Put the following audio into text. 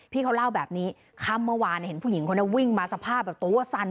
เขาเล่าแบบนี้ค่ำเมื่อวานเห็นผู้หญิงคนนี้วิ่งมาสภาพแบบตัวสั่น